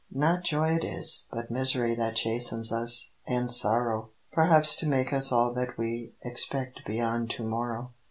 Not joy it is, but misery That chastens us, and sorrow; Perhaps to make us all that we Expect beyond To morrow.